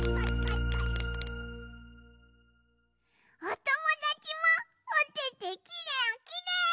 おともだちもおててきれいきれい！